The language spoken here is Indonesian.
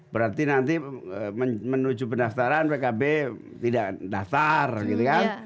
berarti nanti menuju pendaftaran pkb tidak daftar gitu kan